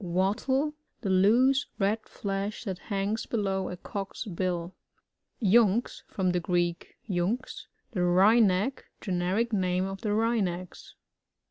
Wattle — The loose, red flesh that hangs below a Cock*s bill. YuNx. — From the Greek, xunx, the Wryneck. Generic name of the Wrynecks.